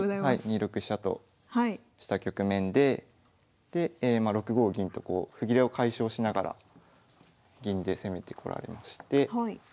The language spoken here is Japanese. ２六飛車とした局面でで６五銀とこう歩切れを解消しながら銀で攻めてこられまして。